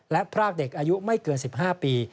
และพรากเด็กอายุไม่เกิน๑๕ปี